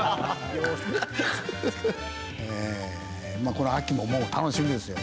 この秋ももう楽しみですよ